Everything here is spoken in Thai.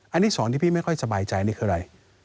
อันนี้สองที่พี่ไม่ค่อยสบายใจนี่คืออะไร